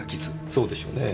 そうでしょうねぇ。